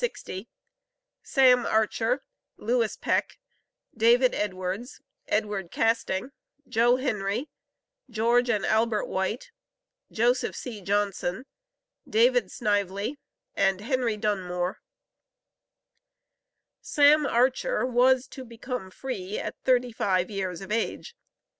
SAM ARCHER, LEWIS PECK, DAVID EDWARDS, EDWARD CASTING, JOE HENRY, GEORGE AND ALBERT WHITE, JOSEPH C. JOHNSON, DAVID SNIVELY, AND HENRY DUNMORE. Sam Archer was to "become free at thirty five years of age."